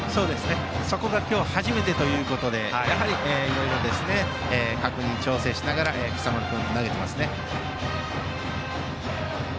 そこが今日初めてということでやはりいろいろ確認、調整しながら今朝丸君、投げていますね。